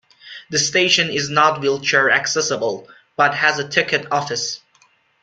The station is not wheelchair accessible, but has a ticket office.